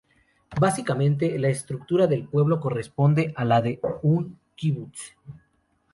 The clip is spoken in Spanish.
Básicamente, la estructura del pueblo corresponde a la de un kibutz.